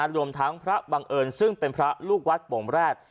รวมทั้งพระบังเอิญซึ่งเป็นพระลูกวัดโป่งแรด